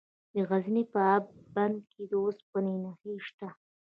د غزني په اب بند کې د اوسپنې نښې شته.